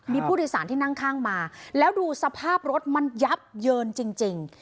มีผู้โดยสารที่นั่งข้างมาแล้วดูสภาพรถมันยับเยินจริง